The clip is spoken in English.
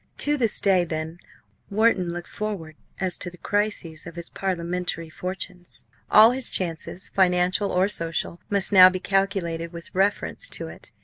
To this day, then, Wharton looked forward as to the crisis of his parliamentary fortunes. All his chances, financial or social, must now be calculated with reference to it.